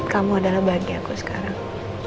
kamu adalah bagi aku sekarang